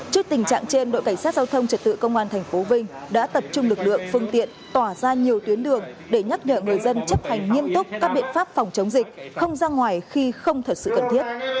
trước tình trạng trên đội cảnh sát giao thông trật tự công an tp vinh đã tập trung lực lượng phương tiện tỏa ra nhiều tuyến đường để nhắc nhở người dân chấp hành nghiêm túc các biện pháp phòng chống dịch không ra ngoài khi không thật sự cần thiết